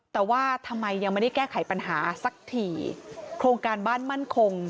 แต่ว่าทำไมยังไม่ได้แก้ไขปัญหาสักทีโครงการบ้านมั่นคง